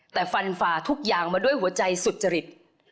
แต่ฟันฝ่าทุกอย่างมาด้วยหัวใจสุจริต